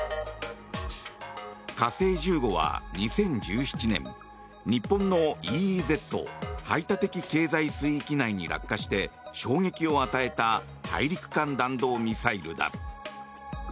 火星１５は２０１７年日本のＥＥＺ・排他的経済水域内に落下して衝撃を与えた大陸間弾道ミサイルだ。